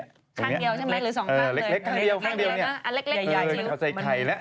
ข้างเดียวใช่ไหมหรือสองข้างเลยอันเล็กเขาใส่ไข่แล้ว